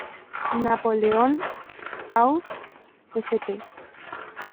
Napoleon auf St.